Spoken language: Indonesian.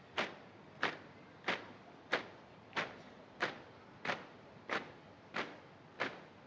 laporan komandan upacara kepada inspektur upacara